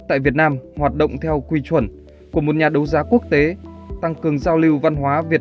tại việt nam hoạt động theo quy chuẩn của một nhà đấu giá quốc tế tăng cường giao lưu văn hóa việt